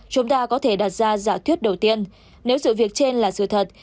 chúng ta có thể đặt ra giả thuyết đầu tiên nếu sự việc trên là sự thật